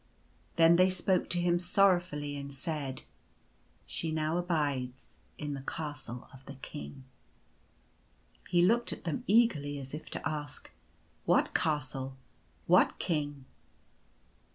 Then they spoke to him sorrowfully and said :" She now abides in the Castle of the King." He looked at them eagerly, as if to ask :" What castle ? What king